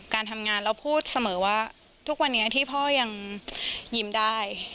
การทำงานเราพูดเสมอว่าทุกวันนี้ที่พ่อยังยิ้มได้